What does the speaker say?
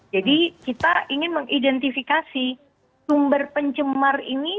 jadi kita ingin mengidentifikasi sumber pencemar ini